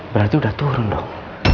berarti udah turun dong